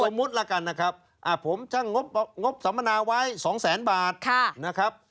สมมุติละกันนะครับอ่าผมจะงบงบสำนาวายสองแสนบาทค่ะนะครับ